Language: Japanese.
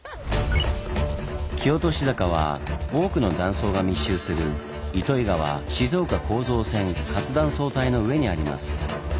木落し坂は多くの断層が密集する糸魚川−静岡構造線活断層帯の上にあります。